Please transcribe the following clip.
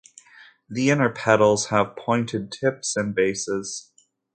The inner petals have pointed tips and bases.